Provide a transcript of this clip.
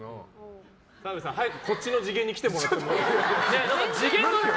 澤部さん、早くこっちの次元に来てもらって。